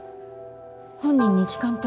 本人に聞かんと。